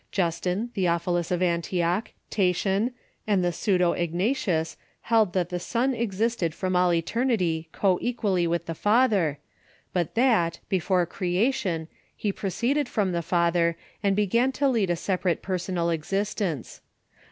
Justin, Theophilus of Antioch, Tatian, and the pseudo Ignatius held that the Son existed from all eternity coequally with the Father, but that, before creation, he proceeded from the Father, and began to lead a separate personal existence.